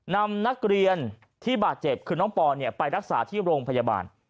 นำนักเรียนที่บาดเจ็บคือน้องปอนไปรักษาที่โรงพยาบาล